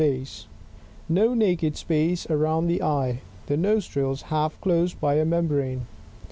8a base ; no naked space around the eye ; the nostrils half closed by a membrane.